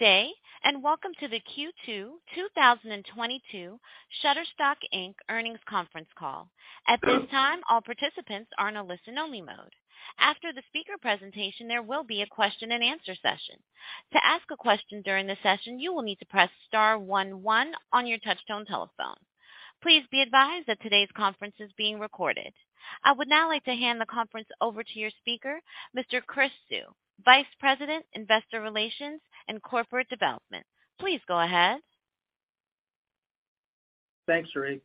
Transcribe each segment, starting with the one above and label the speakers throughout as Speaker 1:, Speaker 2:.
Speaker 1: Good day, and Welcome to the Q2 2022 Shutterstock, Inc Earnings Conference Call. At this time, all participants are in a listen-only mode. After the speaker presentation, there will be a question-and-answer session. To ask a question during the session, you will need to press star one one on your touchtone telephone. Please be advised that today's conference is being recorded. I would now like to hand the conference over to your speaker, Mr. Chris Suh, Vice President, Investor Relations and Corporate Development. Please go ahead.
Speaker 2: Thanks, Sheree.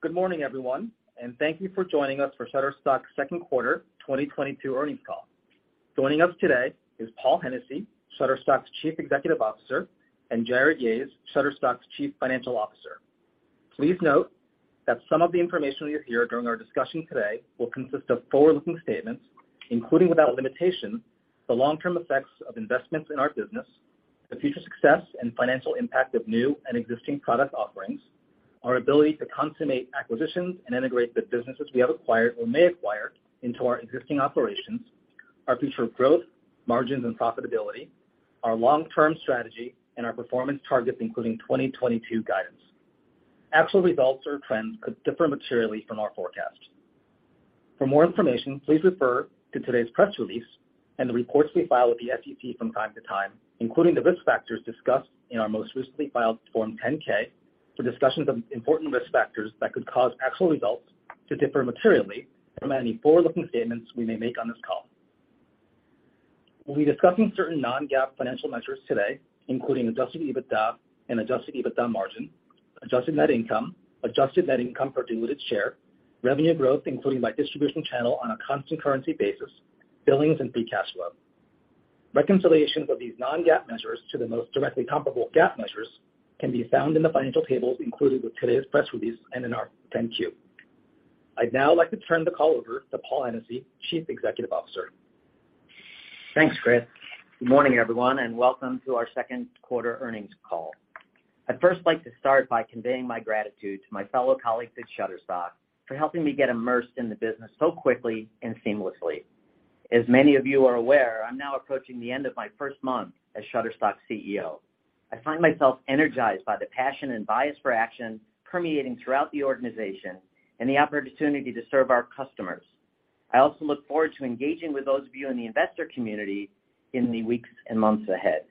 Speaker 2: Good morning, everyone, and thank you for joining us for Shutterstock's second quarter 2022 earnings call. Joining us today is Paul Hennessy, Shutterstock's Chief Executive Officer, and Jarrod Yahes, Shutterstock's Chief Financial Officer. Please note that some of the information you'll hear during our discussion today will consist of forward-looking statements, including without limitation, the long-term effects of investments in our business, the future success and financial impact of new and existing product offerings, our ability to consummate acquisitions and integrate the businesses we have acquired or may acquire into our existing operations, our future growth, margins, and profitability, our long-term strategy, and our performance targets, including 2022 guidance. Actual results or trends could differ materially from our forecast. For more information, please refer to today's press release and the reports we file with the SEC from time to time, including the risk factors discussed in our most recently filed Form 10-K and discussions of important risk factors that could cause actual results to differ materially from any forward-looking statements we may make on this call. We'll be discussing certain non-GAAP financial measures today, including Adjusted EBITDA and Adjusted EBITDA margin, adjusted net income, adjusted net income per diluted share, revenue growth including by distribution channel on a constant currency basis, billings, and free cash flow. Reconciliations of these non-GAAP measures to the most directly comparable GAAP measures can be found in the financial tables included with today's press release and in our 10-Q. I'd now like to turn the call over to Paul Hennessy, Chief Executive Officer.
Speaker 3: Thanks, Chris. Good morning, everyone, and welcome to our second quarter earnings call. I'd first like to start by conveying my gratitude to my fellow colleagues at Shutterstock for helping me get immersed in the business so quickly and seamlessly. As many of you are aware, I'm now approaching the end of my first month as Shutterstock's CEO. I find myself energized by the passion and bias for action permeating throughout the organization and the opportunity to serve our customers. I also look forward to engaging with those of you in the investor community in the weeks and months ahead.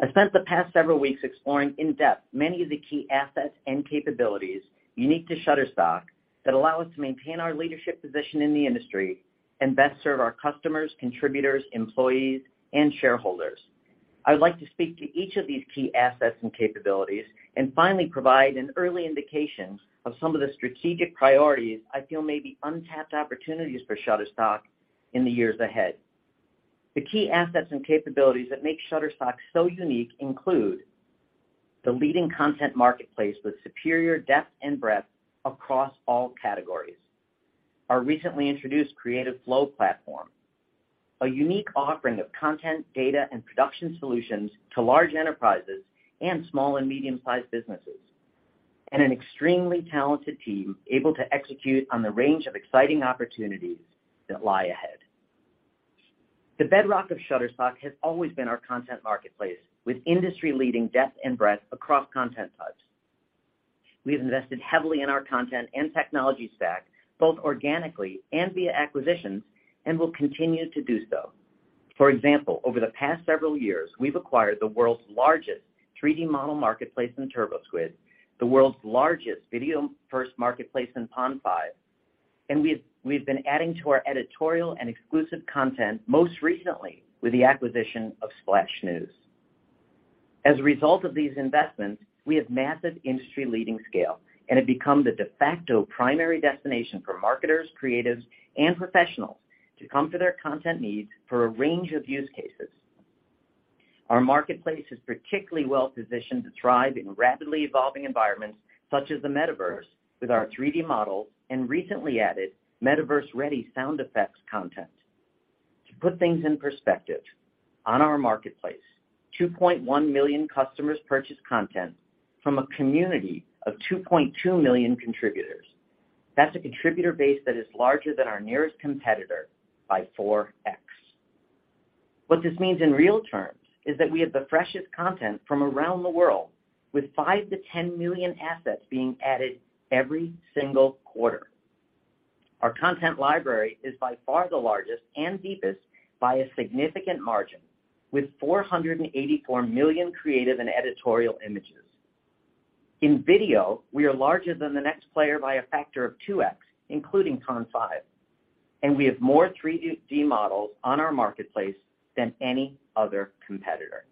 Speaker 3: I spent the past several weeks exploring in depth many of the key assets and capabilities unique to Shutterstock that allow us to maintain our leadership position in the industry and best serve our customers, contributors, employees, and shareholders. I would like to speak to each of these key assets and capabilities and finally provide an early indication of some of the strategic priorities I feel may be untapped opportunities for Shutterstock in the years ahead. The key assets and capabilities that make Shutterstock so unique include the leading content marketplace with superior depth and breadth across all categories, our recently introduced Creative Flow platform, a unique offering of content, data, and production solutions to large enterprises and small and medium-sized businesses, and an extremely talented team able to execute on the range of exciting opportunities that lie ahead. The bedrock of Shutterstock has always been our content marketplace with industry-leading depth and breadth across content types. We've invested heavily in our content and technology stack, both organically and via acquisitions, and will continue to do so. For example, over the past several years, we've acquired the world's largest 3D model marketplace in TurboSquid, the world's largest video-first marketplace in Pond5, and we've been adding to our editorial and exclusive content, most recently with the acquisition of Splash News. As a result of these investments, we have massive industry-leading scale and have become the de facto primary destination for marketers, creatives, and professionals to come for their content needs for a range of use cases. Our marketplace is particularly well positioned to thrive in rapidly evolving environments, such as the metaverse, with our 3D models and recently added metaverse-ready sound effects content. To put things in perspective, on our marketplace, 2.1 million customers purchase content from a community of 2.2 million contributors. That's a contributor base that is larger than our nearest competitor by 4x. What this means in real terms is that we have the freshest content from around the world, with 5 million-10 million assets being added every single quarter. Our content library is by far the largest and deepest by a significant margin, with 484 million creative and editorial images. In video, we are larger than the next player by a factor of 2x, including Pond5, and we have more 3D models on our marketplace than any other competitor.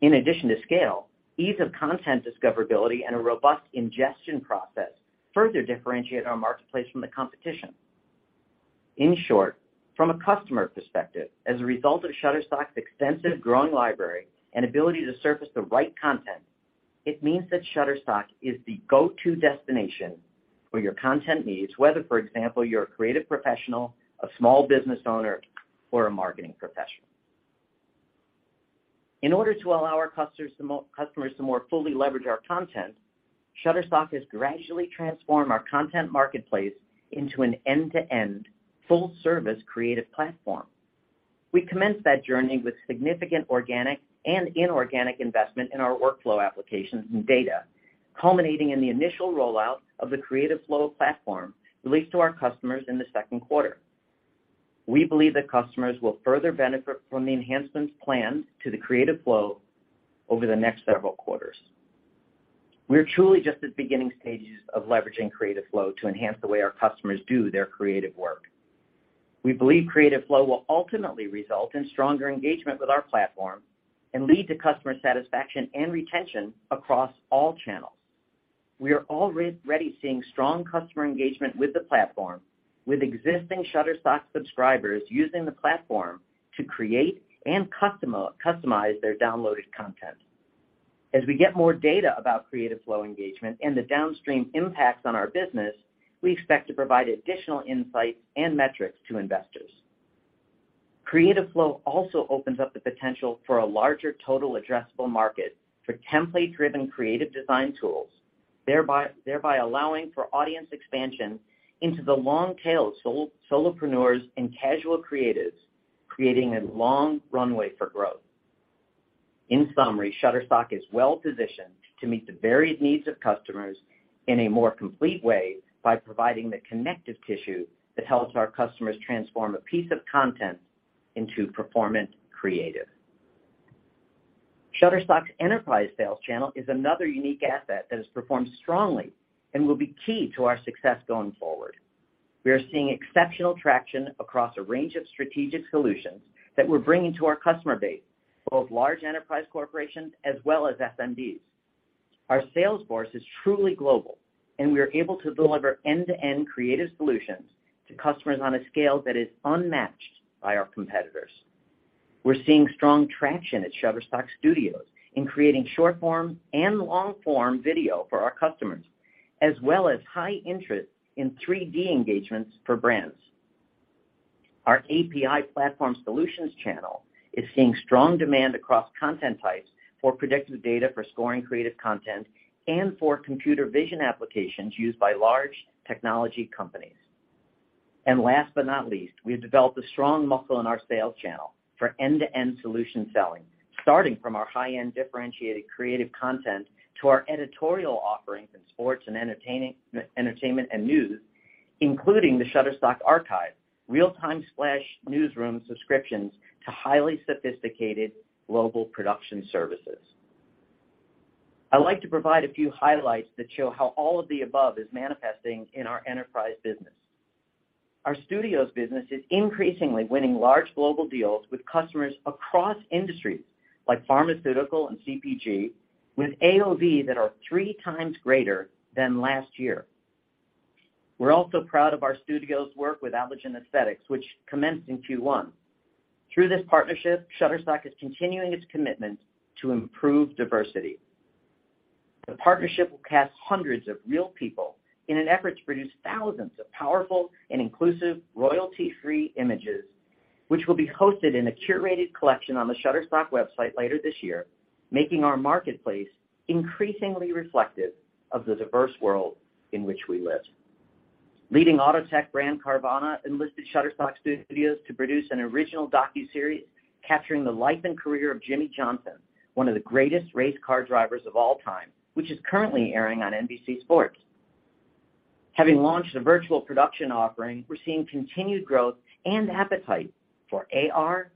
Speaker 3: In addition to scale, ease of content discoverability and a robust ingestion process further differentiate our marketplace from the competition. In short, from a customer perspective, as a result of Shutterstock's extensive growing library and ability to surface the right content, it means that Shutterstock is the go-to destination for your content needs, whether, for example, you're a creative professional, a small business owner, or a marketing professional. In order to allow our customers to more fully leverage our content, Shutterstock has gradually transformed our content marketplace into an end-to-end full service creative platform. We commenced that journey with significant organic and inorganic investment in our workflow applications and data, culminating in the initial rollout of the Creative Flow platform released to our customers in the second quarter. We believe that customers will further benefit from the enhancements planned to the Creative Flow over the next several quarters. We're truly just at beginning stages of leveraging Creative Flow to enhance the way our customers do their creative work. We believe Creative Flow will ultimately result in stronger engagement with our platform and lead to customer satisfaction and retention across all channels. We are already seeing strong customer engagement with the platform, with existing Shutterstock subscribers using the platform to create and customize their downloaded content. As we get more data about Creative Flow engagement and the downstream impacts on our business, we expect to provide additional insights and metrics to investors. Creative Flow also opens up the potential for a larger total addressable market for template-driven creative design tools, thereby allowing for audience expansion into the long tail solopreneurs and casual creatives, creating a long runway for growth. In summary, Shutterstock is well positioned to meet the varied needs of customers in a more complete way by providing the connective tissue that helps our customers transform a piece of content into performant creative. Shutterstock's enterprise sales channel is another unique asset that has performed strongly and will be key to our success going forward. We are seeing exceptional traction across a range of strategic solutions that we're bringing to our customer base, both large enterprise corporations as well as SMBs. Our sales force is truly global, and we are able to deliver end-to-end creative solutions to customers on a scale that is unmatched by our competitors. We're seeing strong traction at Shutterstock Studios in creating short form and long form video for our customers, as well as high interest in 3D engagements for brands. Our API platform solutions channel is seeing strong demand across content types for predictive data, for scoring creative content, and for computer vision applications used by large technology companies. Last but not least, we have developed a strong muscle in our sales channel for end-to-end solution selling, starting from our high-end differentiated creative content to our editorial offerings in sports and entertainment and news, including the Shutterstock Archive, real-time/newsroom subscriptions to highly sophisticated global production services. I'd like to provide a few highlights that show how all of the above is manifesting in our enterprise business. Our Studios business is increasingly winning large global deals with customers across industries like pharmaceutical and CPG, with AOV that are three times greater than last year. We're also proud of our Studios work with Allergan Aesthetics, which commenced in Q1. Through this partnership, Shutterstock is continuing its commitment to improve diversity. The partnership will cast hundreds of real people in an effort to produce thousands of powerful and inclusive royalty-free images, which will be hosted in a curated collection on the Shutterstock website later this year, making our marketplace increasingly reflective of the diverse world in which we live. Leading auto tech brand Carvana enlisted Shutterstock Studios to produce an original docuseries capturing the life and career of Jimmie Johnson, one of the greatest race car drivers of all time, which is currently airing on NBC Sports. Having launched a virtual production offering, we're seeing continued growth and appetite for AR,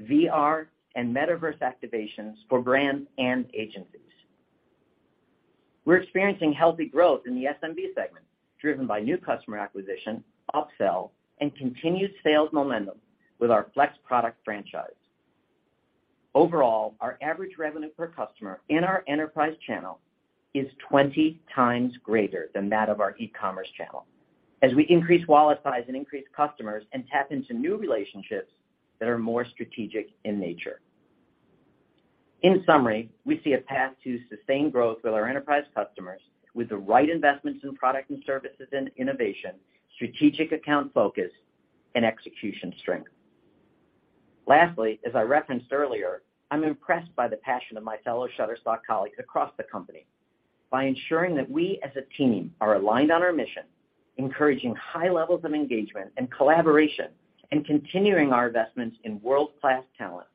Speaker 3: VR, and metaverse activations for brands and agencies. We're experiencing healthy growth in the SMB segment, driven by new customer acquisition, upsell, and continued sales momentum with our FLEX product franchise. Overall, our average revenue per customer in our enterprise channel is 20 times greater than that of our e-commerce channel as we increase wallet size and increase customers and tap into new relationships that are more strategic in nature. In summary, we see a path to sustained growth with our enterprise customers with the right investments in product and services and innovation, strategic account focus, and execution strength. Lastly, as I referenced earlier, I'm impressed by the passion of my fellow Shutterstock colleagues across the company. By ensuring that we as a team are aligned on our mission, encouraging high levels of engagement and collaboration, and continuing our investments in world-class talent,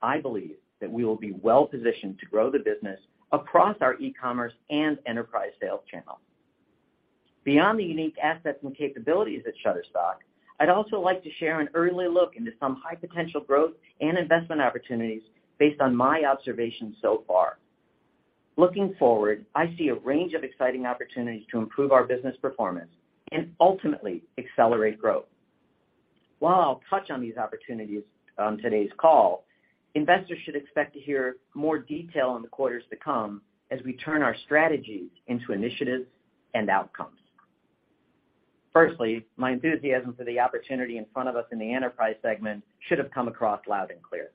Speaker 3: I believe that we will be well positioned to grow the business across our e-commerce and enterprise sales channel. Beyond the unique assets and capabilities at Shutterstock, I'd also like to share an early look into some high potential growth and investment opportunities based on my observations so far. Looking forward, I see a range of exciting opportunities to improve our business performance and ultimately accelerate growth. While I'll touch on these opportunities on today's call, investors should expect to hear more detail in the quarters to come as we turn our strategies into initiatives and outcomes. Firstly, my enthusiasm for the opportunity in front of us in the enterprise segment should have come across loud and clear.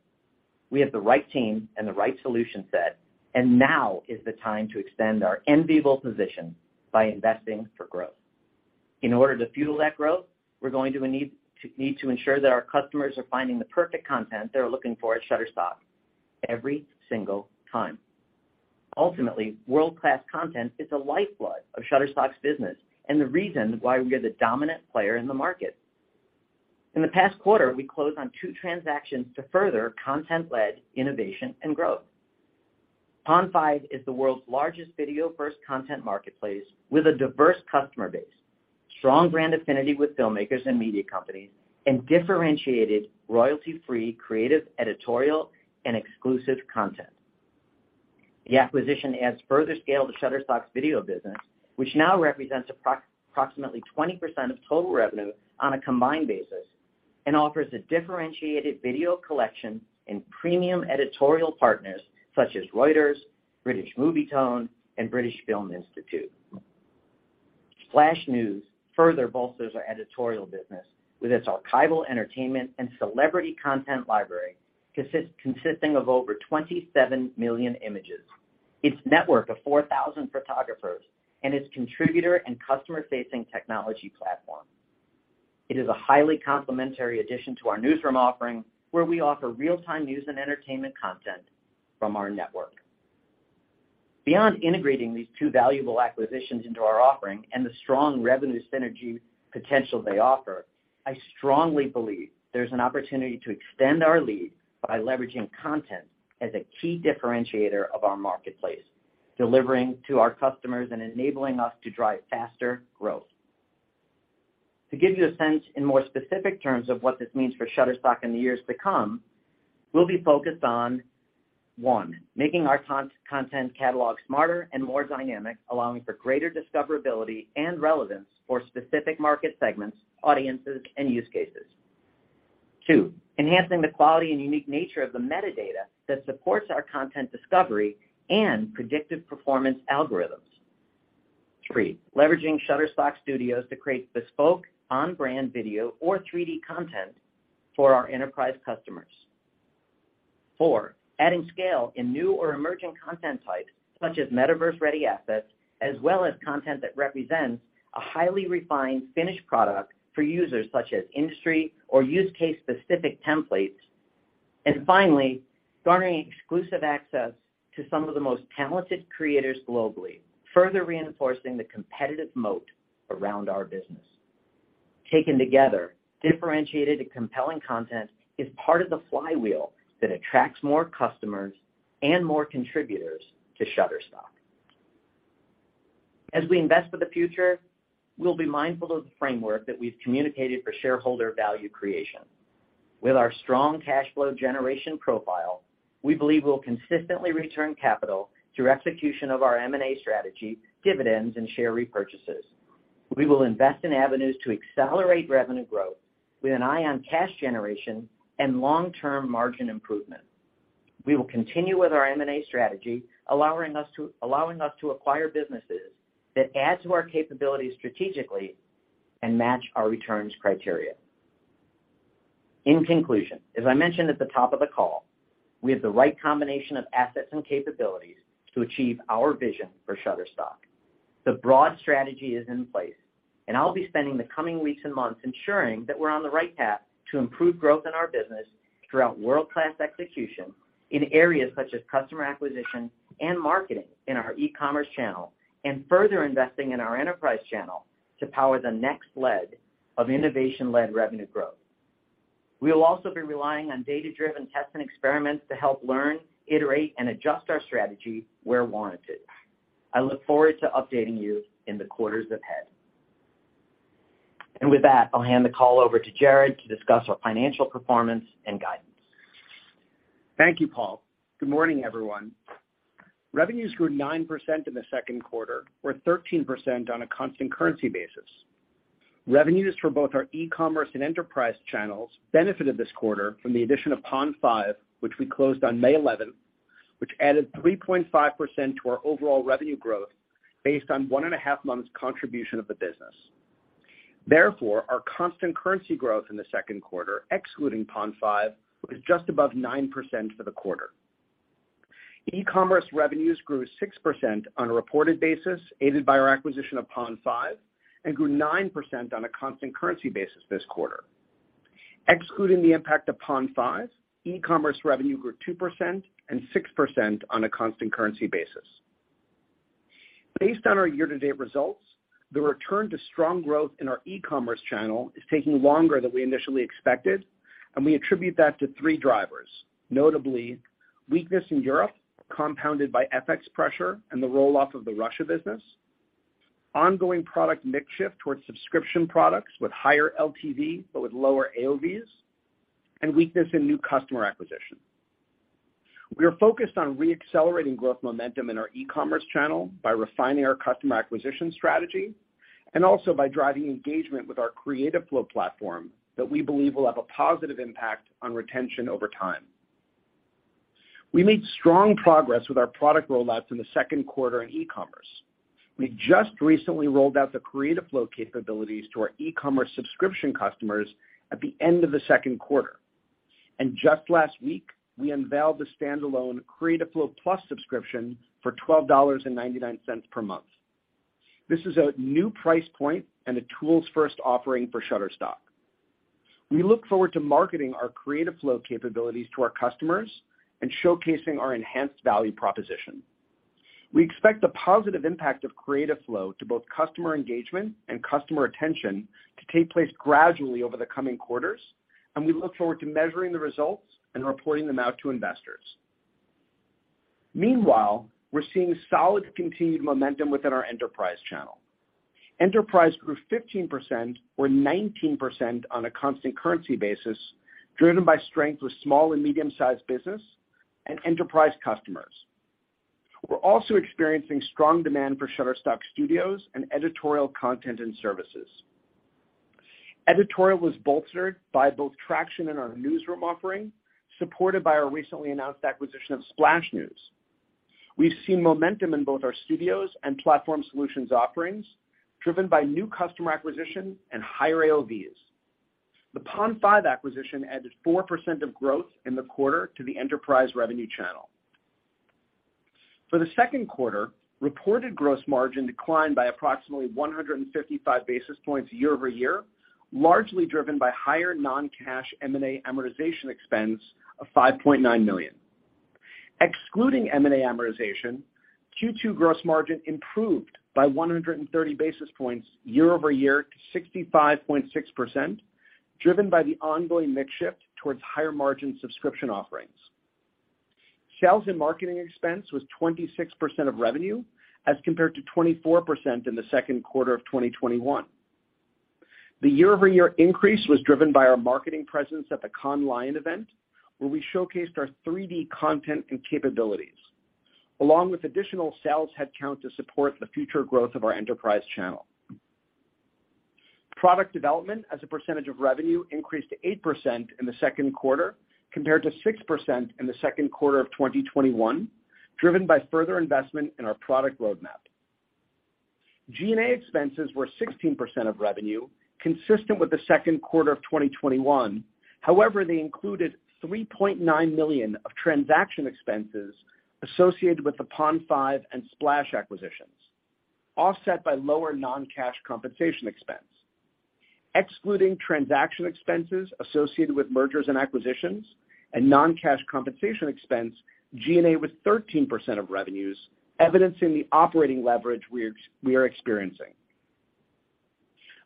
Speaker 3: We have the right team and the right solution set, and now is the time to extend our enviable position by investing for growth. In order to fuel that growth, we're going to need to ensure that our customers are finding the perfect content they're looking for at Shutterstock every single time. Ultimately, world-class content is the lifeblood of Shutterstock's business and the reason why we are the dominant player in the market. In the past quarter, we closed on two transactions to further content-led innovation and growth. Pond5 is the world's largest video-first content marketplace with a diverse customer base, strong brand affinity with filmmakers and media companies, and differentiated royalty-free creative editorial and exclusive content. The acquisition adds further scale to Shutterstock's video business, which now represents approximately 20% of total revenue on a combined basis and offers a differentiated video collection and premium editorial partners such as Reuters, British Movietone, and British Film Institute. Splash News further bolsters our editorial business with its archival entertainment and celebrity content library consisting of over 27 million images, its network of 4,000 photographers and its contributor and customer-facing technology platform. It is a highly complementary addition to our newsroom offering, where we offer real-time news and entertainment content from our network. Beyond integrating these two valuable acquisitions into our offering and the strong revenue synergy potential they offer, I strongly believe there's an opportunity to extend our lead by leveraging content as a key differentiator of our marketplace, delivering to our customers and enabling us to drive faster growth. To give you a sense in more specific terms of what this means for Shutterstock in the years to come, we'll be focused on, one, making our content catalog smarter and more dynamic, allowing for greater discoverability and relevance for specific market segments, audiences, and use cases. Two, enhancing the quality and unique nature of the metadata that supports our content discovery and predictive performance algorithms. Three, leveraging Shutterstock Studios to create bespoke on-brand video or 3D content for our enterprise customers. Four, adding scale in new or emerging content types, such as metaverse-ready assets, as well as content that represents a highly refined finished product for users such as industry or use case specific templates. Finally, garnering exclusive access to some of the most talented creators globally, further reinforcing the competitive moat around our business. Taken together, differentiated and compelling content is part of the flywheel that attracts more customers and more contributors to Shutterstock. As we invest for the future, we'll be mindful of the framework that we've communicated for shareholder value creation. With our strong cash flow generation profile, we believe we'll consistently return capital through execution of our M&A strategy, dividends, and share repurchases. We will invest in avenues to accelerate revenue growth with an eye on cash generation and long-term margin improvement. We will continue with our M&A strategy, allowing us to acquire businesses that add to our capabilities strategically and match our returns criteria. In conclusion, as I mentioned at the top of the call, we have the right combination of assets and capabilities to achieve our vision for Shutterstock. The broad strategy is in place, and I'll be spending the coming weeks and months ensuring that we're on the right path to improve growth in our business throughout world-class execution in areas such as customer acquisition and marketing in our e-commerce channel, and further investing in our enterprise channel to power the next leg of innovation-led revenue growth. We'll also be relying on data-driven tests and experiments to help learn, iterate, and adjust our strategy where warranted. I look forward to updating you in the quarters ahead. With that, I'll hand the call over to Jarrod to discuss our financial performance and guidance.
Speaker 4: Thank you, Paul. Good morning, everyone. Revenues grew 9% in the second quarter or 13% on a constant currency basis. Revenues for both our e-commerce and enterprise channels benefited this quarter from the addition of Pond5, which we closed on May 11, which added 3.5% to our overall revenue growth based on 1.5 months' contribution of the business. Therefore, our constant currency growth in the second quarter, excluding Pond5, was just above 9% for the quarter. E-commerce revenues grew 6% on a reported basis, aided by our acquisition of Pond5, and grew 9% on a constant currency basis this quarter. Excluding the impact of Pond5, e-commerce revenue grew 2% and 6% on a constant currency basis. Based on our year-to-date results, the return to strong growth in our e-commerce channel is taking longer than we initially expected, and we attribute that to three drivers, notably weakness in Europe, compounded by FX pressure and the roll-off of the Russia business, ongoing product mix shift towards subscription products with higher LTV, but with lower AOVs and weakness in new customer acquisition. We are focused on re-accelerating growth momentum in our e-commerce channel by refining our customer acquisition strategy and also by driving engagement with our Creative Flow platform that we believe will have a positive impact on retention over time. We made strong progress with our product rollouts in the second quarter in e-commerce. We just recently rolled out the Creative Flow capabilities to our e-commerce subscription customers at the end of the second quarter. Just last week, we unveiled the standalone Creative Flow+ subscription for $12.99 per month. This is a new price point and a tools first offering for Shutterstock. We look forward to marketing our Creative Flow capabilities to our customers and showcasing our enhanced value proposition. We expect the positive impact of Creative Flow to both customer engagement and customer retention to take place gradually over the coming quarters, and we look forward to measuring the results and reporting them out to investors. Meanwhile, we're seeing solid continued momentum within our enterprise channel. Enterprise grew 15% or 19% on a constant currency basis, driven by strength with small and medium-sized business and enterprise customers. We're also experiencing strong demand for Shutterstock Studios and editorial content and services. Editorial was bolstered by both traction in our newsroom offering, supported by our recently announced acquisition of Splash News. We've seen momentum in both our studios and platform solutions offerings, driven by new customer acquisition and higher AOVs. The Pond5 acquisition added 4% of growth in the quarter to the enterprise revenue channel. For the second quarter, reported gross margin declined by approximately 155 basis points year-over-year, largely driven by higher non-cash M&A amortization expense of $5.9 million. Excluding M&A amortization, Q2 gross margin improved by 130 basis points year-over-year to 65.6%, driven by the ongoing mix shift towards higher margin subscription offerings. Sales and marketing expense was 26% of revenue as compared to 24% in the second quarter of 2021. The year-over-year increase was driven by our marketing presence at the Cannes Lions event, where we showcased our 3D content and capabilities, along with additional sales headcount to support the future growth of our enterprise channel. Product development as a percentage of revenue increased to 8% in the second quarter compared to 6% in the second quarter of 2021, driven by further investment in our product roadmap. G&A expenses were 16% of revenue, consistent with the second quarter of 2021. However, they included $3.9 million of transaction expenses associated with the Pond5 and Splash acquisitions, offset by lower non-cash compensation expense. Excluding transaction expenses associated with mergers and acquisitions and non-cash compensation expense, G&A was 13% of revenues, evidencing the operating leverage we are experiencing.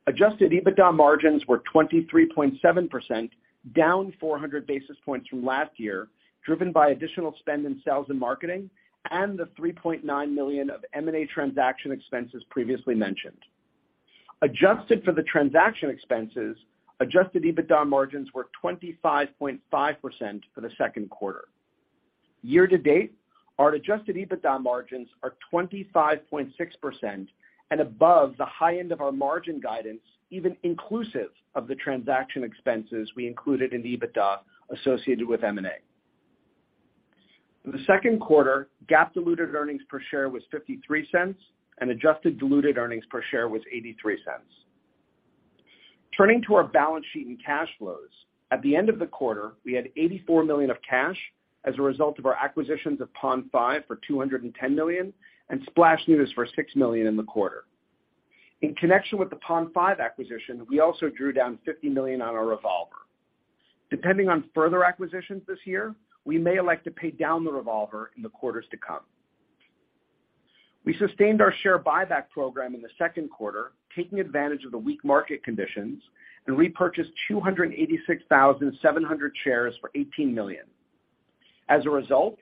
Speaker 4: Adjusted EBITDA margins were 23.7%, down 400 basis points from last year, driven by additional spend in sales and marketing and the $3.9 million of M&A transaction expenses previously mentioned. Adjusted for the transaction expenses, adjusted EBITDA margins were 25.5% for the second quarter. Year-to-date, our Adjusted EBITDA margins are 25.6% and above the high end of our margin guidance, even inclusive of the transaction expenses we included in EBITDA associated with M&A. In the second quarter, GAAP diluted earnings per share was $0.53 and adjusted diluted earnings per share was $0.83. Turning to our balance sheet and cash flows. At the end of the quarter, we had $84 million of cash as a result of our acquisitions of Pond5 for $210 million and Splash News for $6 million in the quarter. In connection with the Pond5 acquisition, we also drew down $50 million on our revolver. Depending on further acquisitions this year, we may elect to pay down the revolver in the quarters to come. We sustained our share buyback program in the second quarter, taking advantage of the weak market conditions, and repurchased 286,700 shares for $18 million. As a result,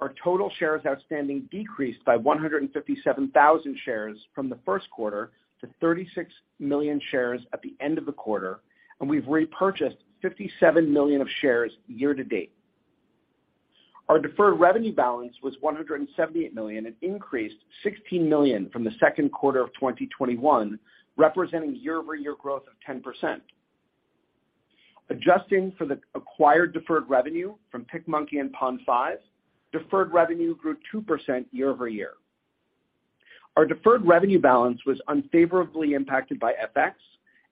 Speaker 4: our total shares outstanding decreased by 157,000 shares from the first quarter to 36 million shares at the end of the quarter, and we've repurchased $57 million of shares year-to-date. Our deferred revenue balance was $178 million, an increase $16 million from the second quarter of 2021, representing year-over-year growth of 10%. Adjusting for the acquired deferred revenue from PicMonkey and Pond5, deferred revenue grew 2% year-over-year. Our deferred revenue balance was unfavorably impacted by FX,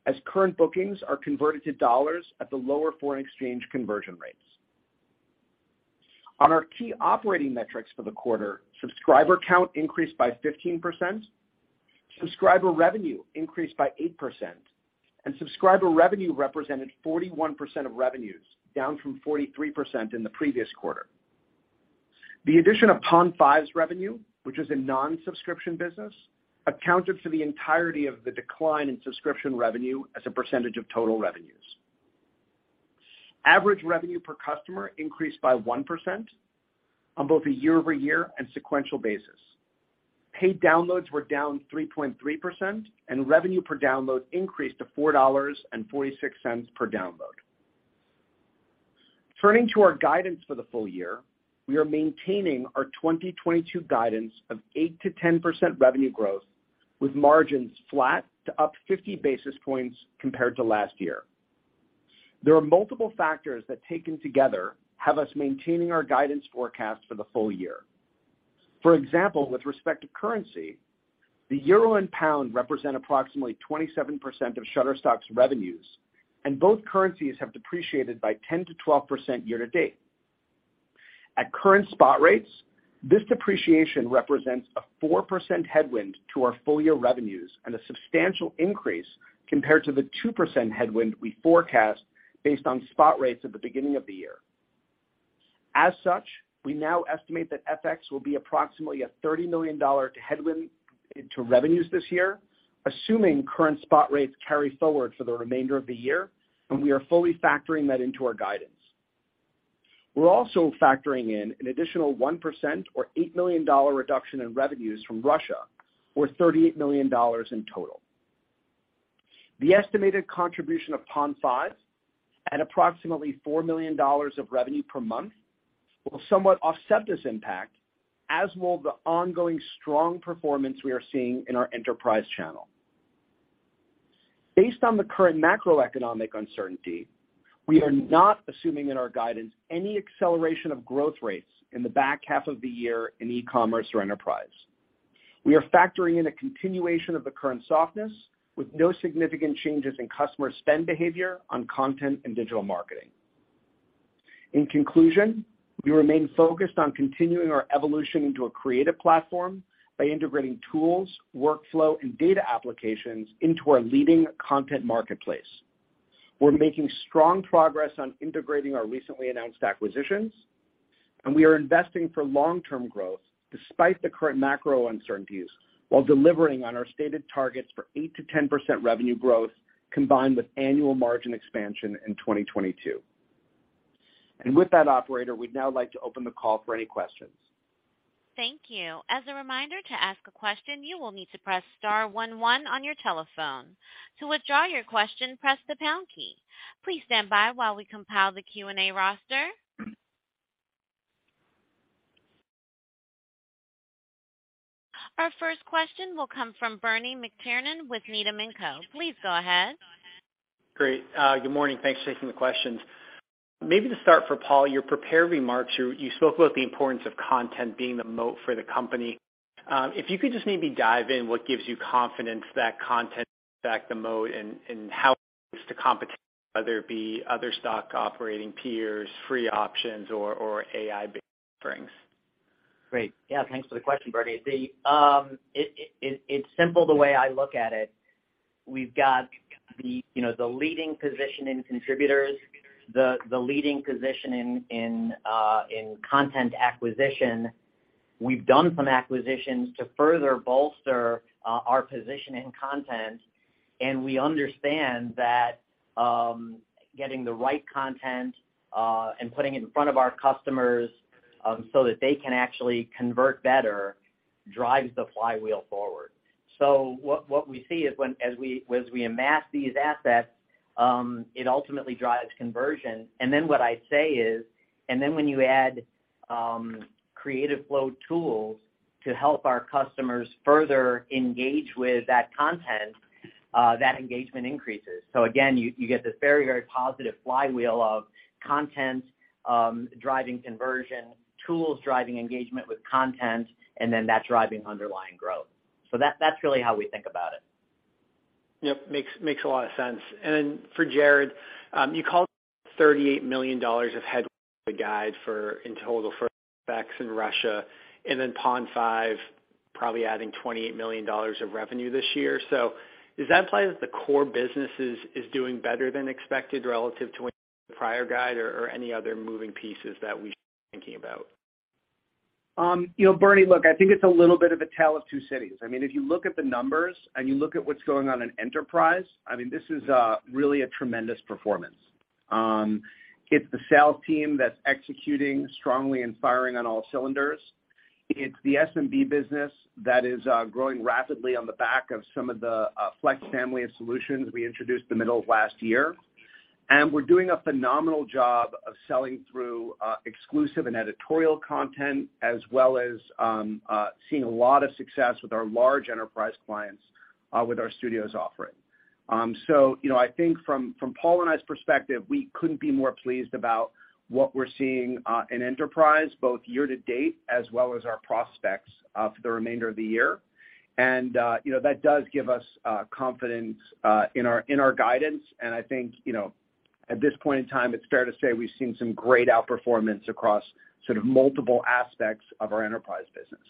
Speaker 4: as current bookings are converted to dollars at the lower foreign exchange conversion rates. On our key operating metrics for the quarter, subscriber count increased by 15%, subscriber revenue increased by 8%, and subscriber revenue represented 41% of revenues, down from 43% in the previous quarter. The addition of Pond5's revenue, which is a non-subscription business, accounted for the entirety of the decline in subscription revenue as a percentage of total revenues. Average revenue per customer increased by 1% on both a year-over-year and sequential basis. Paid downloads were down 3.3% and revenue per download increased to $4.46 per download. Turning to our guidance for the full year, we are maintaining our 2022 guidance of 8%-10% revenue growth with margins flat to up 50 basis points compared to last year. There are multiple factors that taken together have us maintaining our guidance forecast for the full year. For example, with respect to currency, the euro and pound represent approximately 27% of Shutterstock's revenues, and both currencies have depreciated by 10%-12% year-to-date. At current spot rates, this depreciation represents a 4% headwind to our full year revenues and a substantial increase compared to the 2% headwind we forecast based on spot rates at the beginning of the year. As such, we now estimate that FX will be approximately a $30 million headwind to revenues this year, assuming current spot rates carry forward for the remainder of the year, and we are fully factoring that into our guidance. We're also factoring in an additional 1% or $8 million reduction in revenues from Russia, or $38 million in total. The estimated contribution of Pond5 at approximately $4 million of revenue per month will somewhat offset this impact, as will the ongoing strong performance we are seeing in our enterprise channel. Based on the current macroeconomic uncertainty, we are not assuming in our guidance any acceleration of growth rates in the back half of the year in e-commerce or enterprise. We are factoring in a continuation of the current softness with no significant changes in customer spend behavior on content and digital marketing. In conclusion, we remain focused on continuing our evolution into a creative platform by integrating tools, workflow, and data applications into our leading content marketplace. We're making strong progress on integrating our recently announced acquisitions, and we are investing for long-term growth despite the current macro uncertainties, while delivering on our stated targets for 8%-10% revenue growth combined with annual margin expansion in 2022. With that operator, we'd now like to open the call for any questions.
Speaker 1: Thank you. As a reminder to ask a question, you will need to press star one one on your telephone. To withdraw your question, press the pound key. Please stand by while we compile the Q&A roster. Our first question will come from Bernie McTernan with Needham & Co. Please go ahead.
Speaker 5: Great. Good morning. Thanks for taking the questions. Maybe to start for Paul, your prepared remarks, you spoke about the importance of content being the moat for the company. If you could just maybe dive in, what gives you confidence that content, in fact, the moat and how to compete, whether it be other stock operating peers, free options or AI offerings?
Speaker 3: Great. Yeah, thanks for the question, Bernie. It's simple the way I look at it. We've got the, you know, the leading position in contributors, the leading position in content acquisition. We've done some acquisitions to further bolster our position in content, and we understand that getting the right content and putting it in front of our customers so that they can actually convert better drives the flywheel forward. What we see is as we amass these assets, it ultimately drives conversion. Then what I say is, and then when you add Creative Flow tools to help our customers further engage with that content, that engagement increases. Again, you get this very positive flywheel of content, driving conversion, tools driving engagement with content, and then that driving underlying growth. That's really how we think about it.
Speaker 5: Yep. Makes a lot of sense. For Jarrod, you called it $38 million of headwind to the guide for FX in total for FX effects in Russia and then Pond5 probably adding $28 million of revenue this year. Does that imply that the core business is doing better than expected relative to prior guide or any other moving pieces that we should be thinking about?
Speaker 4: You know, Bernie, look, I think it's a little bit of a tale of two cities. I mean, if you look at the numbers and you look at what's going on in enterprise, I mean, this is really a tremendous performance. It's the sales team that's executing strongly and firing on all cylinders. It's the SMB business that is growing rapidly on the back of some of the FLEX family of solutions we introduced the middle of last year. We're doing a phenomenal job of selling through exclusive and editorial content as well as seeing a lot of success with our large enterprise clients with our Studios offering. You know, I think from Paul and I's perspective, we couldn't be more pleased about what we're seeing in enterprise, both year-to-date as well as our prospects for the remainder of the year. You know, that does give us confidence in our guidance. I think, you know, at this point in time, it's fair to say we've seen some great outperformance across sort of multiple aspects of our enterprise business.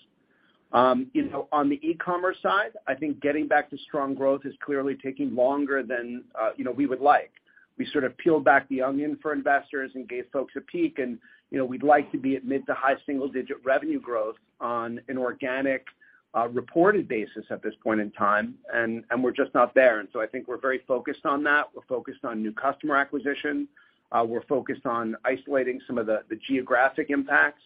Speaker 4: You know, on the e-commerce side, I think getting back to strong growth is clearly taking longer than you know, we would like. We sort of peel back the onion for investors and gave folks a peek and, you know, we'd like to be at mid- to high-single-digit revenue growth on an organic, reported basis at this point in time, and we're just not there. I think we're very focused on that. We're focused on new customer acquisition. We're focused on isolating some of the geographic impacts.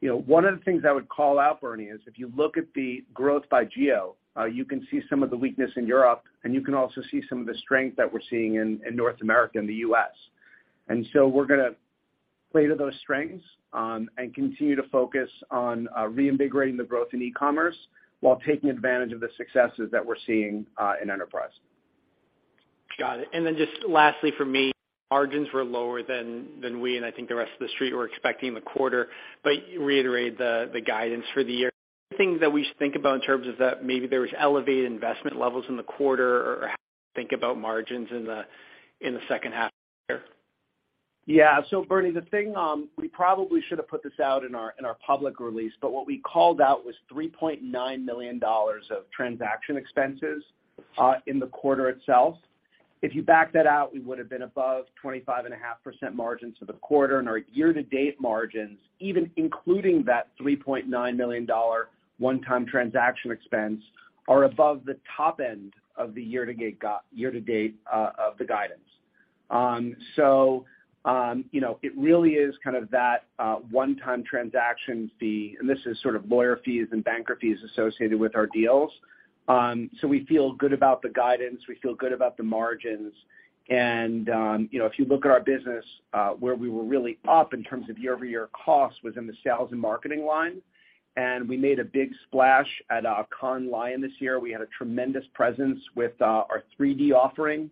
Speaker 4: You know, one of the things I would call out, Bernie, is if you look at the growth by geo, you can see some of the weakness in Europe, and you can also see some of the strength that we're seeing in North America and the U.S. We're gonna play to those strengths and continue to focus on reinvigorating the growth in e-commerce while taking advantage of the successes that we're seeing in enterprise.
Speaker 5: Got it. Just lastly for me, margins were lower than we and I think the rest of the Street were expecting in the quarter, but you reiterated the guidance for the year. Things that we should think about in terms of that maybe there was elevated investment levels in the quarter or how to think about margins in the second half of the year.
Speaker 4: Yeah. Bernie, the thing, we probably should have put this out in our public release, but what we called out was $3.9 million of transaction expenses in the quarter itself. If you back that out, we would have been above 25.5% margins for the quarter and our year-to-date margins, even including that $3.9 million one-time transaction expense, are above the top end of the year-to-date guidance. You know, it really is kind of that one-time transaction fee, and this is sort of lawyer fees and banker fees associated with our deals. We feel good about the guidance, we feel good about the margins. You know, if you look at our business, where we were really up in terms of year-over-year costs was in the sales and marketing line. We made a big splash at Cannes Lions this year. We had a tremendous presence with our 3D offering.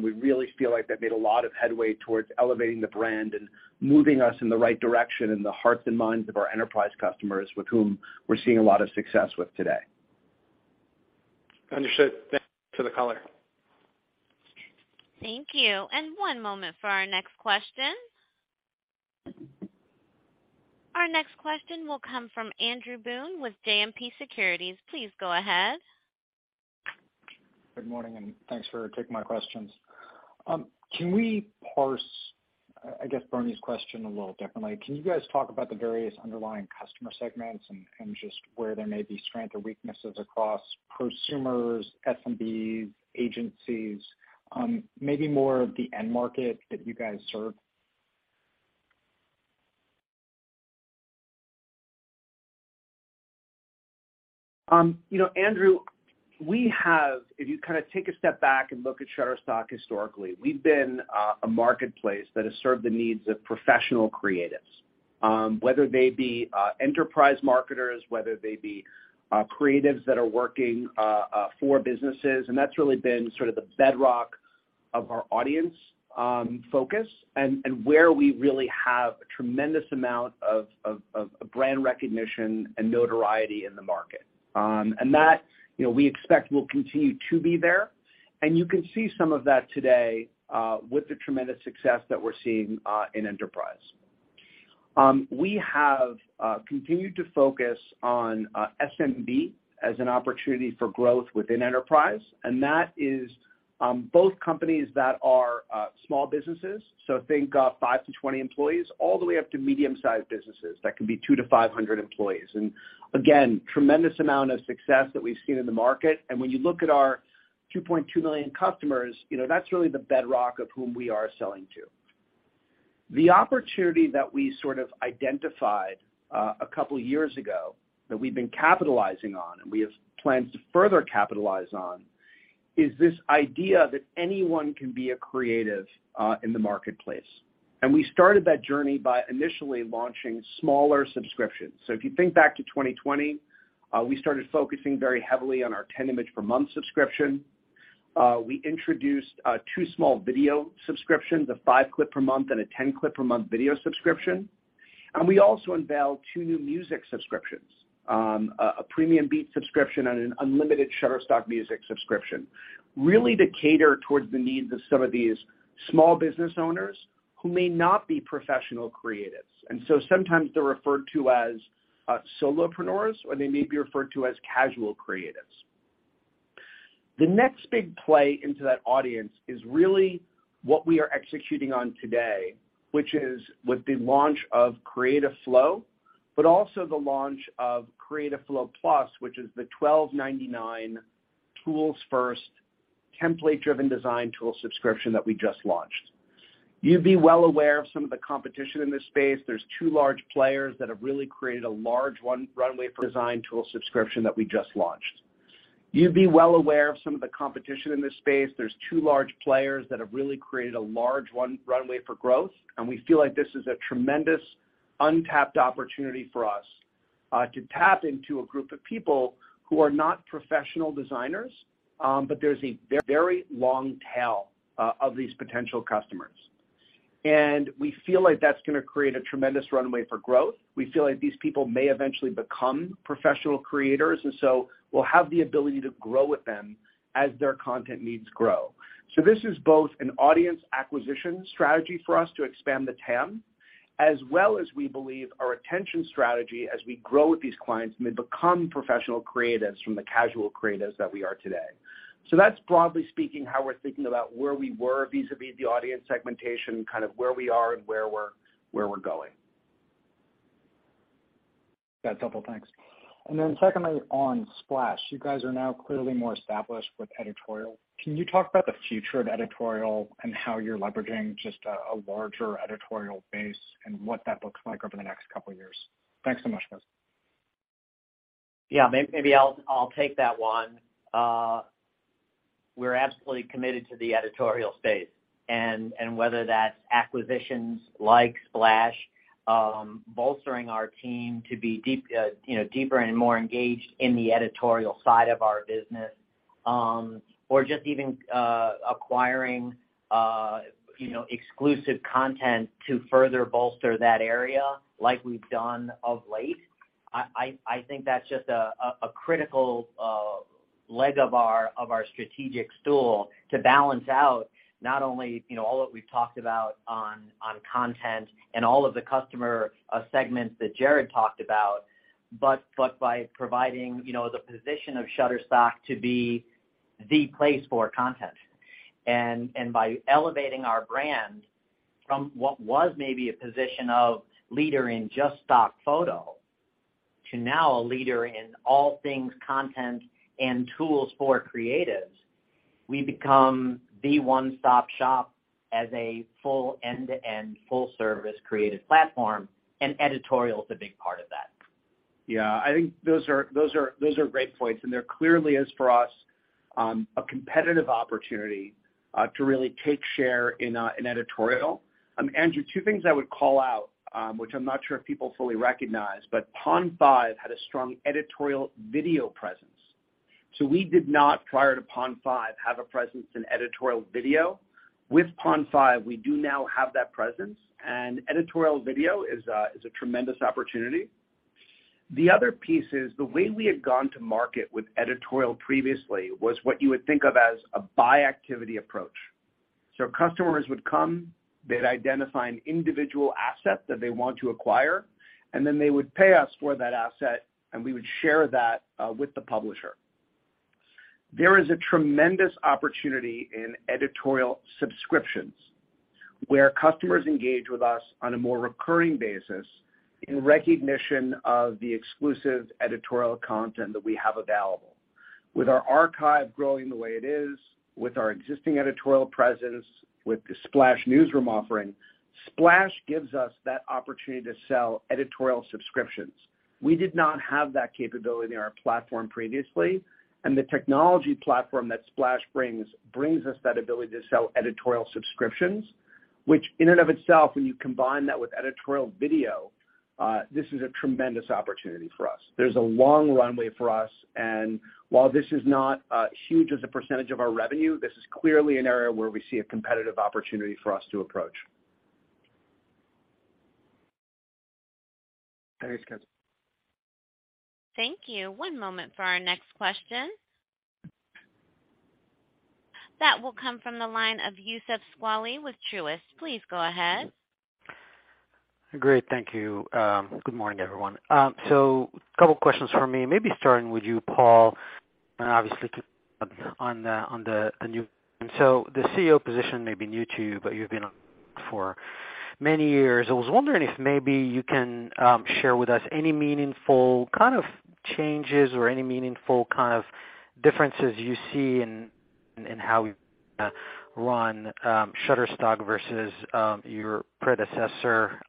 Speaker 4: We really feel like that made a lot of headway towards elevating the brand and moving us in the right direction in the hearts and minds of our enterprise customers with whom we're seeing a lot of success with today.
Speaker 5: Understood. Thanks for the color.
Speaker 1: Thank you. One moment for our next question. Our next question will come from Andrew Boone with JMP Securities. Please go ahead.
Speaker 6: Good morning, and thanks for taking my questions. Can we parse, I guess Bernie's question a little differently? Can you guys talk about the various underlying customer segments and just where there may be strength or weaknesses across prosumers, SMBs, agencies, maybe more of the end market that you guys serve?
Speaker 4: You know, Andrew, if you kind of take a step back and look at Shutterstock historically, we've been a marketplace that has served the needs of professional creatives, whether they be enterprise marketers, whether they be for businesses, and that's really been sort of the bedrock of our audience focus and where we really have a tremendous amount of brand recognition and notoriety in the market. You know, we expect that will continue to be there. You can see some of that today with the tremendous success that we're seeing in enterprise. We have continued to focus on SMB as an opportunity for growth within enterprise, and that is both companies that are small businesses, so think five-20 employees, all the way up to medium-sized businesses. That can be two-500 employees. Again, tremendous amount of success that we've seen in the market. When you look at our 2.2 million customers, you know, that's really the bedrock of whom we are selling to. The opportunity that we sort of identified a couple years ago that we've been capitalizing on and we have plans to further capitalize on is this idea that anyone can be a creative in the marketplace. We started that journey by initially launching smaller subscriptions. If you think back to 2020, we started focusing very heavily on our 10 image per month subscription. We introduced two small video subscriptions, a five clip per month and a 10 clip per month video subscription. We also unveiled two new music subscriptions, a PremiumBeat subscription and an unlimited Shutterstock Music subscription, really to cater toward the needs of some of these small business owners who may not be professional creatives. Sometimes they're referred to as solopreneurs, or they may be referred to as casual creatives. The next big play into that audience is really what we are executing on today, which is with the launch of Creative Flow, but also the launch of Creative Flow+, which is the $12.99 tools-first template-driven design tool subscription that we just launched. You'd be well aware of some of the competition in this space. There's two large players that have really created a long runway for growth, and we feel like this is a tremendous untapped opportunity for us to tap into a group of people who are not professional designers, but there's a very long tail of these potential customers. We feel like that's gonna create a tremendous runway for growth. We feel like these people may eventually become professional creators, and we'll have the ability to grow with them as their content needs grow. This is both an audience acquisition strategy for us to expand the TAM, as well as we believe our retention strategy as we grow with these clients may become professional creatives from the casual creatives that we are today. That's broadly speaking how we're thinking about where we were vis-à-vis the audience segmentation, kind of where we are and where we're going.
Speaker 6: That's helpful. Thanks. Secondly, on Splash, you guys are now clearly more established with editorial. Can you talk about the future of editorial and how you're leveraging just a larger editorial base and what that looks like over the next couple of years? Thanks so much, guys.
Speaker 3: Yeah. Maybe I'll take that one. We're absolutely committed to the editorial space, and whether that's acquisitions like Splash, bolstering our team to be deep, you know, deeper and more engaged in the editorial side of our business, or just even acquiring, you know, exclusive content to further bolster that area like we've done of late. I think that's just a critical leg of our strategic stool to balance out not only, you know, all that we've talked about on content and all of the customer segments that Jarrod talked about, but by providing, you know, the position of Shutterstock to be the place for content. And by elevating our brand from what was maybe a position of leader in just stock photo to now a leader in all things content and tools for creatives, we become the one-stop shop as a full end-to-end full service creative platform, and editorial is a big part of that.
Speaker 4: Yeah. I think those are great points, and there clearly is for us a competitive opportunity to really take share in editorial. Andrew, two things I would call out, which I'm not sure if people fully recognize, but Pond5 had a strong editorial video presence. So we did not, prior to Pond5, have a presence in editorial video. With Pond5, we do now have that presence, and editorial video is a tremendous opportunity. The other piece is the way we had gone to market with editorial previously was what you would think of as a buy activity approach. So customers would come, they'd identify an individual asset that they want to acquire, and then they would pay us for that asset, and we would share that with the publisher. There is a tremendous opportunity in editorial subscriptions, where customers engage with us on a more recurring basis in recognition of the exclusive editorial content that we have available. With our archive growing the way it is, with our existing editorial presence, with the Splash Newsroom offering, Splash gives us that opportunity to sell editorial subscriptions. We did not have that capability in our platform previously, and the technology platform that Splash brings brings us that ability to sell editorial subscriptions, which in and of itself, when you combine that with editorial video, this is a tremendous opportunity for us. There's a long runway for us, and while this is not huge as a percentage of our revenue, this is clearly an area where we see a competitive opportunity for us to approach.
Speaker 6: Thanks, guys.
Speaker 1: Thank you. One moment for our next question. That will come from the line of Youssef Squali with Truist. Please go ahead.
Speaker 7: Great. Thank you. Good morning, everyone. Couple questions for me, maybe starting with you, Paul, and obviously too on the new. The CEO position may be new to you, but you've been for many years. I was wondering if maybe you can share with us any meaningful kind of changes or any meaningful kind of differences you see in how we run Shutterstock versus your predecessor.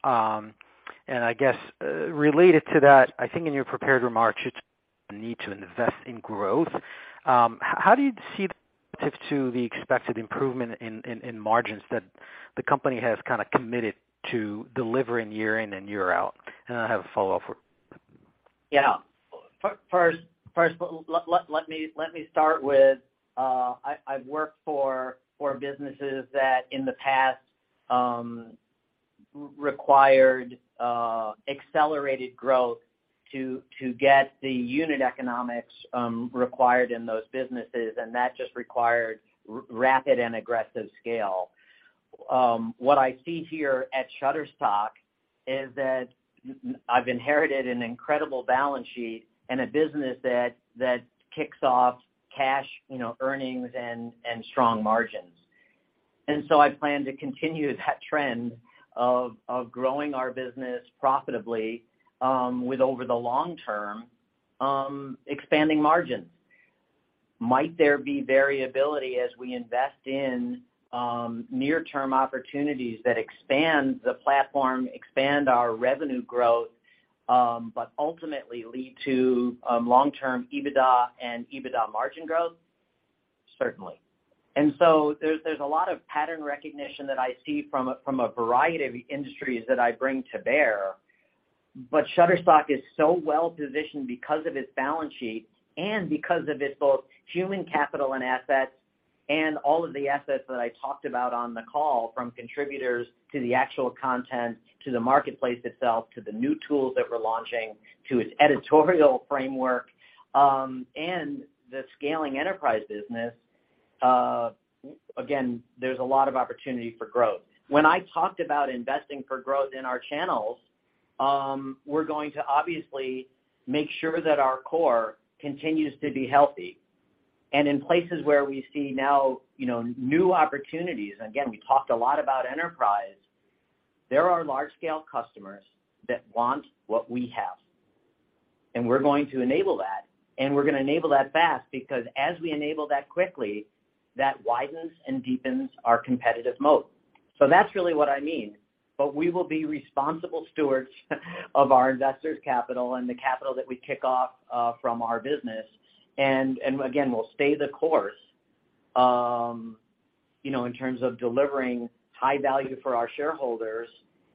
Speaker 7: I guess related to that, I think in your prepared remarks, you need to invest in growth. How do you see the expected improvement in margins that the company has kind of committed to delivering year in and year out? I have a follow-up for-
Speaker 3: Yeah. First, let me start with, I've worked for businesses that in the past required accelerated growth to get the unit economics required in those businesses, and that just required rapid and aggressive scale. What I see here at Shutterstock is that I've inherited an incredible balance sheet and a business that kicks off cash, you know, earnings and strong margins. I plan to continue that trend of growing our business profitably with over the long term expanding margins. Might there be variability as we invest in near-term opportunities that expand the platform, expand our revenue growth, but ultimately lead to long-term EBITDA and EBITDA margin growth? Certainly. There's a lot of pattern recognition that I see from a variety of industries that I bring to bear. Shutterstock is so well positioned because of its balance sheet and because of its both human capital and assets and all of the assets that I talked about on the call, from contributors to the actual content, to the marketplace itself, to the new tools that we're launching, to its editorial framework, and the scaling enterprise business. Again, there's a lot of opportunity for growth. When I talked about investing for growth in our channels, we're going to obviously make sure that our core continues to be healthy. In places where we see now, you know, new opportunities, and again, we talked a lot about enterprise, there are large scale customers that want what we have, and we're going to enable that, and we're gonna enable that fast because as we enable that quickly, that widens and deepens our competitive moat. That's really what I mean. We will be responsible stewards of our investors' capital and the capital that we kick off from our business. Again, we'll stay the course. You know, in terms of delivering high value for our shareholders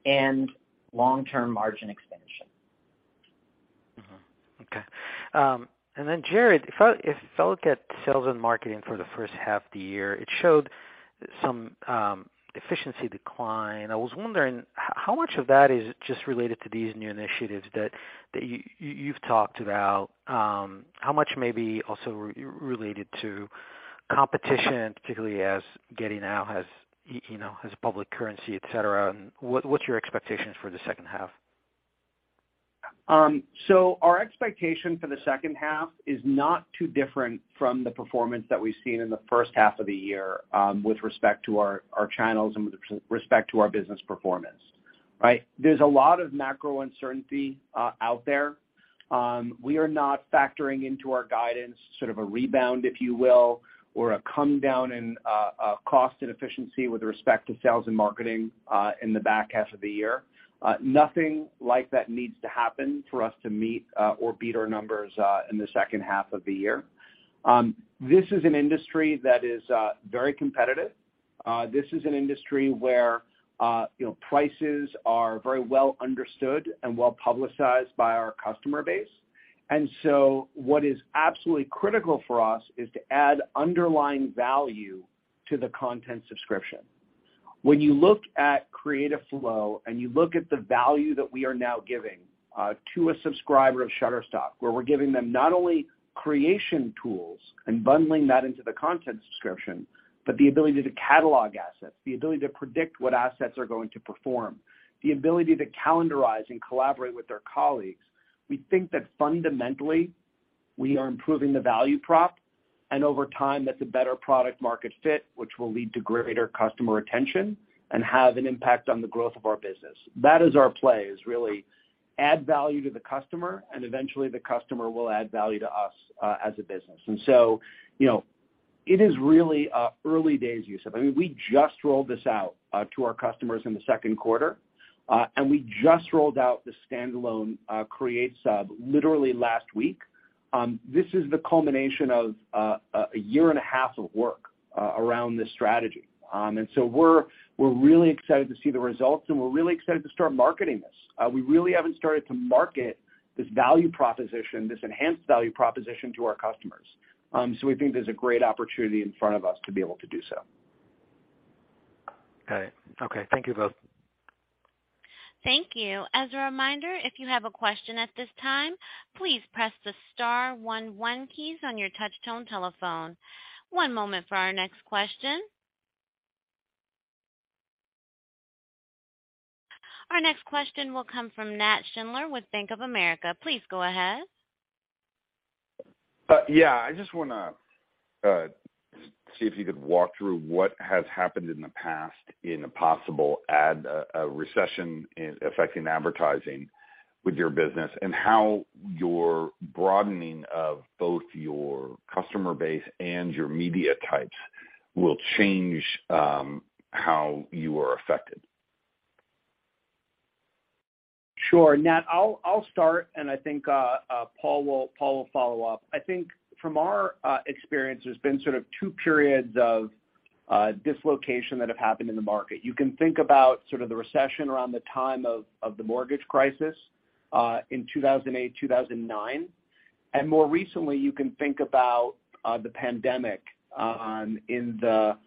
Speaker 3: and long-term margin expansion.
Speaker 7: Jarrod, if I look at sales and marketing for the first half of the year, it showed some efficiency decline. I was wondering how much of that is just related to these new initiatives that you’ve talked about? How much may be also related to competition, particularly as Getty now has public currency, you know, et cetera? What’s your expectations for the second half?
Speaker 4: Our expectation for the second half is not too different from the performance that we've seen in the first half of the year, with respect to our channels and with respect to our business performance, right? There's a lot of macro uncertainty out there. We are not factoring into our guidance sort of a rebound, if you will, or a comedown in cost and efficiency with respect to sales and marketing in the back half of the year. Nothing like that needs to happen for us to meet or beat our numbers in the second half of the year. This is an industry that is very competitive. This is an industry where, you know, prices are very well understood and well-publicized by our customer base. What is absolutely critical for us is to add underlying value to the content subscription. When you look at Creative Flow, and you look at the value that we are now giving to a subscriber of Shutterstock, where we're giving them not only creation tools and bundling that into the content subscription, but the ability to catalog assets, the ability to predict what assets are going to perform, the ability to calendarize and collaborate with their colleagues. We think that fundamentally, we are improving the value prop, and over time, that's a better product market fit, which will lead to greater customer retention and have an impact on the growth of our business. That is our play, is really add value to the customer, and eventually the customer will add value to us as a business. You know, it is really early days, Youssef. I mean, we just rolled this out to our customers in the second quarter, and we just rolled out the standalone creative sub literally last week. This is the culmination of a year and a half of work around this strategy. We're really excited to see the results, and we're really excited to start marketing this. We really haven't started to market this value proposition, this enhanced value proposition to our customers. We think there's a great opportunity in front of us to be able to do so.
Speaker 7: Got it. Okay. Thank you both.
Speaker 1: Thank you. As a reminder, if you have a question at this time, please press the star one one keys on your touchtone telephone. One moment for our next question. Our next question will come from Nat Schindler with Bank of America. Please go ahead.
Speaker 8: Yeah. I just wanna see if you could walk through what has happened in the past in a possible ad recession affecting advertising with your business, and how your broadening of both your customer base and your media types will change how you are affected?
Speaker 4: Sure. Nat, I'll start, and I think Paul will follow up. I think from our experience, there's been sort of two periods of dislocation that have happened in the market. You can think about sort of the recession around the time of the mortgage crisis in 2008-2009. More recently, you can think about the pandemic in the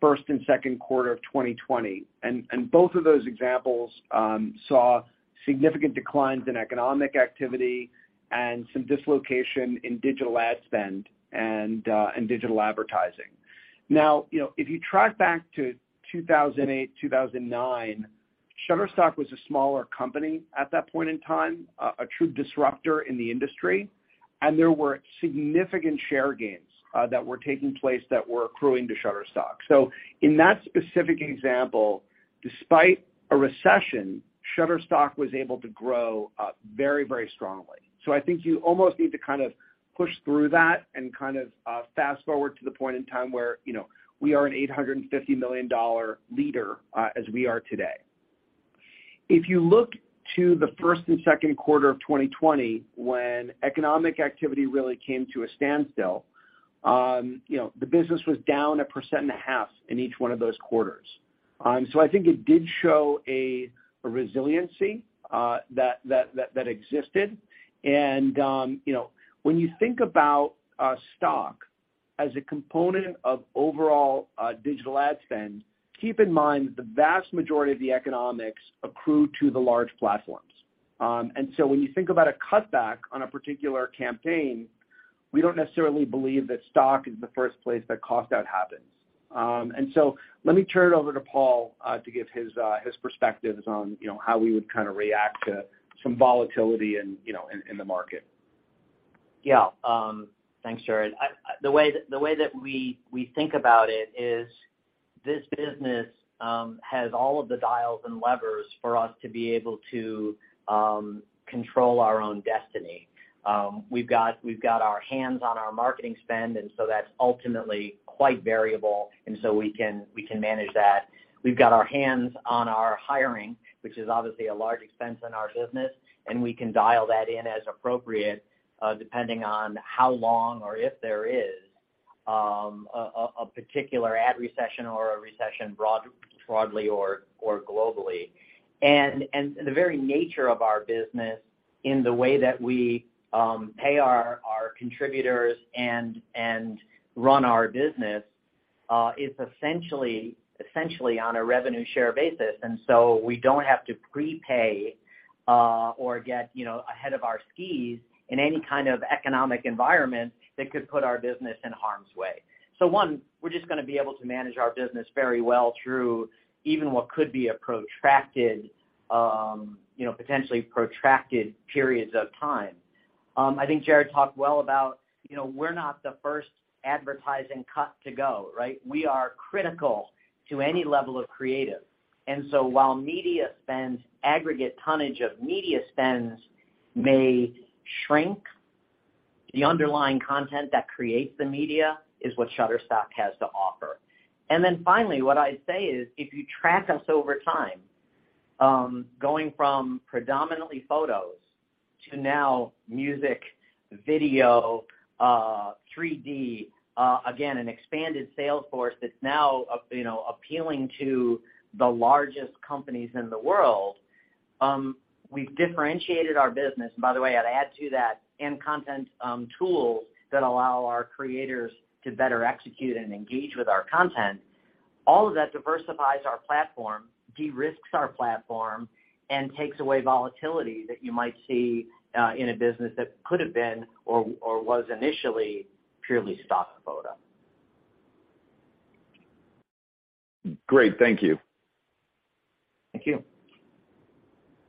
Speaker 4: first and second quarter of 2020. Both of those examples saw significant declines in economic activity and some dislocation in digital ad spend and in digital advertising. Now, you know, if you track back to 2008-2009, Shutterstock was a smaller company at that point in time, a true disruptor in the industry, and there were significant share gains that were taking place that were accruing to Shutterstock. In that specific example, despite a recession, Shutterstock was able to grow very, very strongly. I think you almost need to kind of push through that and kind of fast-forward to the point in time where, you know, we are an $850 million leader as we are today. If you look to the first and second quarter of 2020, when economic activity really came to a standstill, you know, the business was down 1.5% in each one of those quarters. I think it did show a resiliency that existed. You know, when you think about stock as a component of overall digital ad spend, keep in mind the vast majority of the economics accrue to the large platforms. When you think about a cutback on a particular campaign, we don't necessarily believe that stock is the first place that cost out happens. Let me turn it over to Paul to give his perspectives on, you know, how we would kinda react to some volatility in, you know, in the market.
Speaker 3: Yeah. Thanks, Jarrod. The way that we think about it is this business has all of the dials and levers for us to be able to control our own destiny. We've got our hands on our marketing spend, and so that's ultimately quite variable, and so we can manage that. We've got our hands on our hiring, which is obviously a large expense in our business, and we can dial that in as appropriate, depending on how long or if there is, a particular ad recession or a recession broadly or globally. The very nature of our business in the way that we pay our contributors and run our business is essentially on a revenue share basis. We don't have to prepay or get, you know, ahead of our skis in any kind of economic environment that could put our business in harm's way. One, we're just gonna be able to manage our business very well through even what could be a protracted, you know, potentially protracted periods of time. I think Jarrod talked well about, you know, we're not the first advertising cut to go, right? We are critical to any level of creative. While media spends, aggregate tonnage of media spends may shrink, the underlying content that creates the media is what Shutterstock has to offer. Finally, what I'd say is if you track us over time, going from predominantly photos to now music, video, 3D, again, an expanded sales force that's now you know, appealing to the largest companies in the world, we've differentiated our business. By the way, I'd add to that and content, tools that allow our creators to better execute and engage with our content. All of that diversifies our platform, de-risks our platform, and takes away volatility that you might see, in a business that could have been or was initially purely stock photo.
Speaker 8: Great. Thank you.
Speaker 3: Thank you.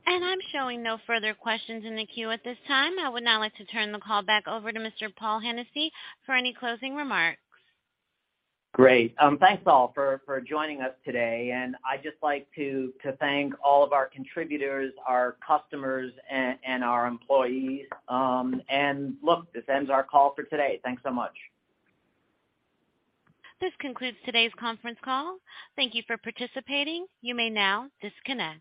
Speaker 1: I'm showing no further questions in the queue at this time. I would now like to turn the call back over to Mr. Paul Hennessy for any closing remarks.
Speaker 3: Great. Thanks all for joining us today, and I'd just like to thank all of our contributors, our customers, and our employees. Look, this ends our call for today. Thanks so much.
Speaker 1: This concludes today's conference call. Thank you for participating. You may now disconnect.